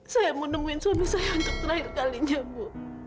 saya mau nemuin suami saya untuk terakhir kalinya bu